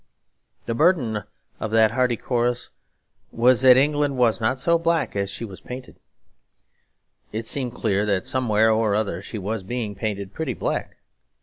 The burden of that hearty chorus was that England was not so black as she was painted; it seemed clear that somewhere or other she was being painted pretty black.